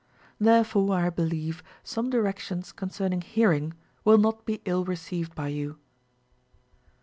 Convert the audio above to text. Therefore, I believe, some directions concerning hearing will not be ill received by you.